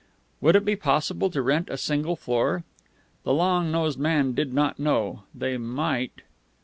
"Would it be possible to rent a single floor?" The long nosed man did not know; they might....